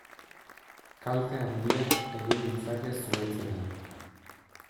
Kalte handiak egin ditzake zuhaitzetan.